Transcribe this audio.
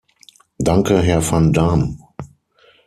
Danke, Herr van Dam.